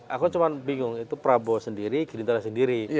aku cuma bingung itu prabowo sendiri gerindra sendiri